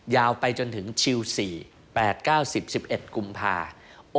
ยาวไปจนถึงชิล๔๘๙๑๑กุมภา